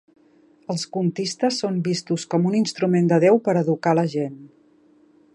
Els contistes són vistos com un instrument de Déu per educar la gent.